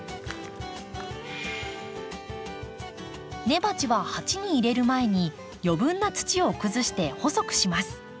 根鉢は鉢に入れる前に余分な土をくずして細くします。